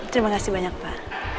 terima kasih banyak pak